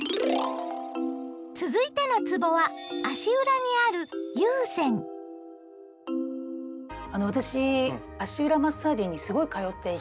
続いてのつぼは足裏にあるあの私足裏マッサージにすごい通っていて。